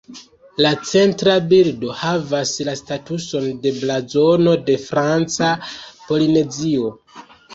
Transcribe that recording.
La centra bildo havas la statuson de blazono de Franca Polinezio.